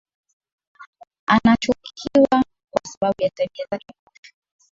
Anachukiwa kwa sababu ya tabia zake mbovu